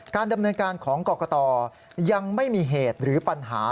ดำเนินการของกรกตยังไม่มีเหตุหรือปัญหา